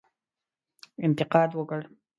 انتقاد وکړ.